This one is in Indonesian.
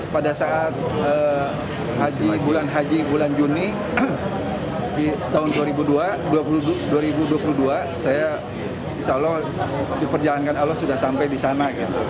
pada saat bulan haji bulan juni tahun dua ribu dua puluh dua saya insya allah diperjalankan allah sudah sampai di sana